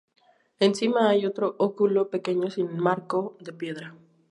Encima hay otro óculo pequeño sin marco de piedra.